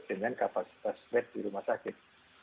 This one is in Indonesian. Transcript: dengan kapasitas web di rumah sakit